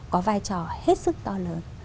có vai trò hết sức to lớn